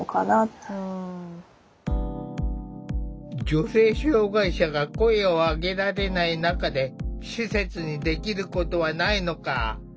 女性障害者が声を上げられない中で施設にできることはないのか？